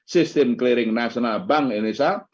sistem clearing nasional bank indonesia